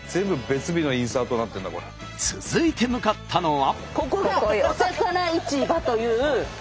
続いて向かったのは。